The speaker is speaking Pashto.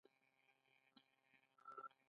د نورو څخه یې د خوند پوښتنه هم باید ونه کړي.